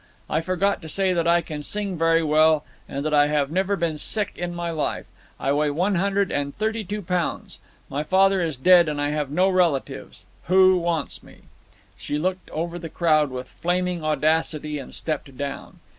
I forgot to say that I can sing very well, and that I have never been sick in my life. I weigh one hundred and thirty two pounds; my father is dead and I have no relatives. Who wants me?" She looked over the crowd with flaming audacity and stepped down.